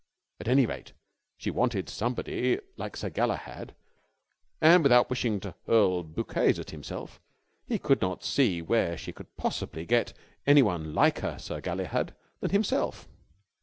At any rate she wanted somebody like Sir Galahad, and, without wishing to hurl bouquets at himself, he could not see where she could possibly get anyone liker Sir Galahad than himself.